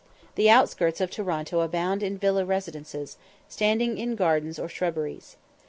The outskirts of Toronto abound in villa residences, standing in gardens or shrubberies.